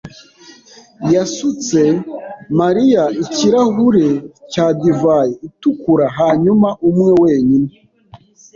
yasutse Mariya ikirahure cya divayi itukura hanyuma umwe wenyine.